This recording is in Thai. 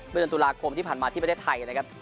เดือนตุลาคมที่ผ่านมาที่ประเทศไทยนะครับ